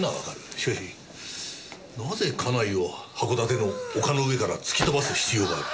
しかしなぜ家内を函館の丘の上から突き飛ばす必要がある？